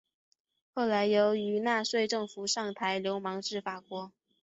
后来由于纳粹政府上台流亡至法国。